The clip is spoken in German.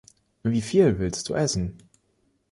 Wieviel willst du essen?